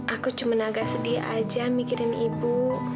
aku cuma agak sedih aja mikirin ibu